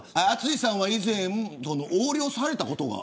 淳さんは以前横領されたことが。